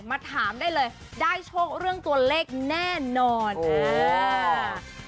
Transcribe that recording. มาถามได้เลยได้โชคเรื่องตัวเลขแน่นอนอ่า